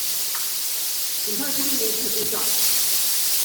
請派出一名副組長